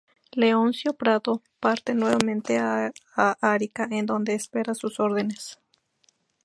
Leoncio Prado parte nuevamente a Arica, en donde espera sus órdenes.